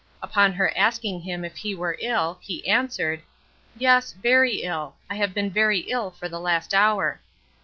Upon her asking him if he were ill, he answered "Yes, very ill; I have been very ill for the last hour."